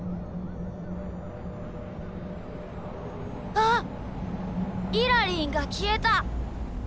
あっイラりんがきえた。